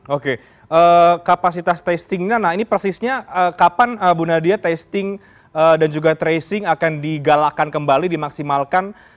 oke kapasitas testingnya nah ini persisnya kapan bu nadia testing dan juga tracing akan digalakan kembali dimaksimalkan